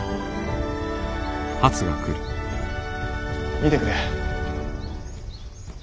見てくれ。